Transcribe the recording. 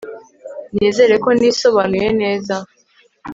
Nizera ko nisobanuye neza